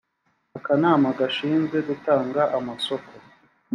akanama gashinzwe gutanga amasoko